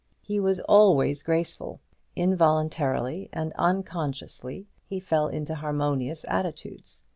He was always graceful. Involuntarily and unconsciously he fell into harmonious attitudes.